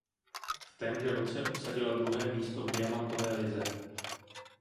V témže roce obsadila druhé místo v diamantové lize.